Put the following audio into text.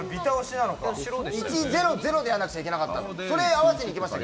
１．００でやらなきゃいけなかった。